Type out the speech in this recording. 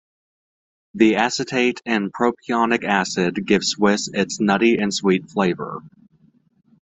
The acetate and propionic acid give Swiss its nutty and sweet flavor.